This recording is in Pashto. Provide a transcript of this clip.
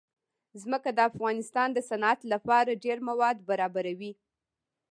ځمکه د افغانستان د صنعت لپاره ډېر مواد برابروي.